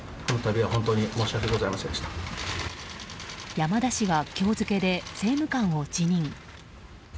山田氏は今日付で政務官を辞任。